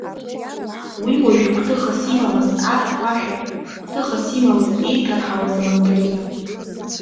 Уи уажәы гәҭыхас имамызт арахә-ашәахә, гәҭыхас имамызт еиҭарҳауаз амандарина.